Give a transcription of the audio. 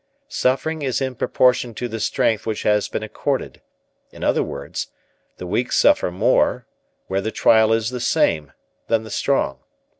Suffering is in proportion to the strength which has been accorded; in other words, the weak suffer more, where the trial is the same, than the strong.